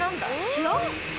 塩？